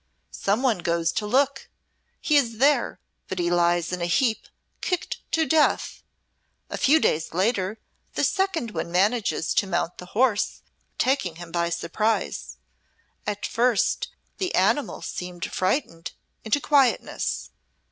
Someone goes to look. He is there, but he lies in a heap, kicked to death. A few days later the second one manages to mount the horse, taking him by surprise. At first the animal seems frightened into quietness.